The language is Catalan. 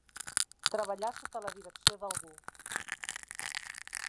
Treballar sota la direcció d'algú.